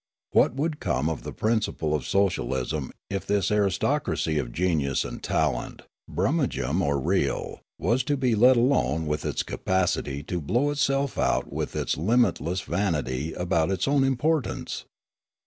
What would come of the principle of socialism if 134 Riallaro this aristocracy of genius and talent, brummagem or real, was to be let alone with its capacity to blow itself out with its limitless vanity about its own importance